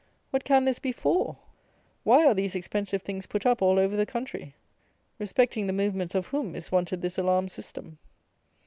What can this be for? Why are these expensive things put up all over the country? Respecting the movements of whom is wanted this alarm system?